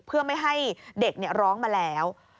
เพื่อไม่ให้เด็กร้องมาแล้ว